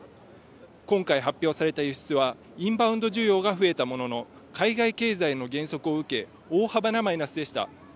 今回発表された輸出は、インバウンド需要が増えたものの、海外経済の減速を受け、大幅なマイナスでした。